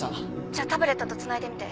じゃあタブレットとつないでみて。